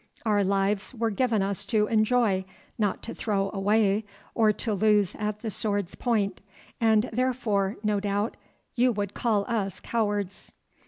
Our lives were given us to enjoy, not to throw away or to lose at the sword's point, and, therefore, no doubt, you would call us cowards."